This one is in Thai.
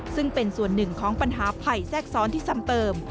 ซึ่งเป็นส่วนหนึ่งของปัญหาภัยแทรกซ้อนที่ซ้ำเติม